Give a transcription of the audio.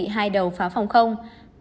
và trang bị hai đầu pháo phòng không